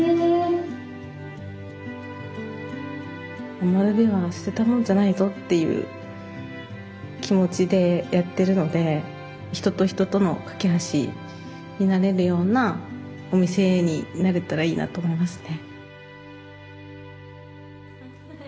余部は捨てたもんじゃないぞっていう気持ちでやってるので人と人との懸け橋になれるようなお店になれたらいいなと思いますね。